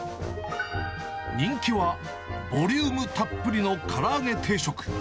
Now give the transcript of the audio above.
人気はボリュームたっぷりのから揚げ定食。